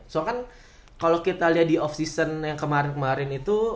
so kan kalo kita liat di off season yang kemarin kemarin itu